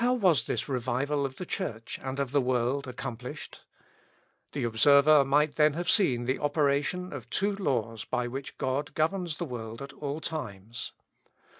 How was this revival of the Church and of the world accomplished? The observer might then have seen the operation of two laws by which God governs the world at all times.